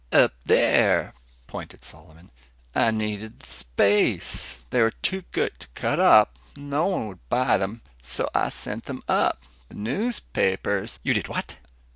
"Up there," pointed Solomon. "I needed the space. They were too good to cut up. No one would buy them. So I sent them up. The newspapers " "You did what?"